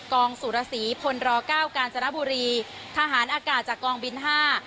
สุรสีพลรอเก้ากาญจนบุรีทหารอากาศจากกองบินห้า